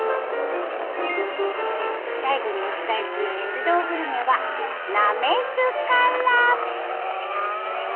最後にお伝えする「鉄道グルメ」は滑津から！